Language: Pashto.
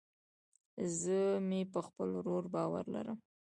زه مې په خپل ورور باور لرم